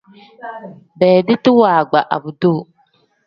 Beediti waagba abduu.